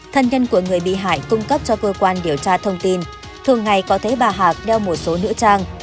thân nhân của người bị hại cung cấp cho cơ quan điều tra thông tin thường ngày có thấy bà hạc đeo một số nữ trang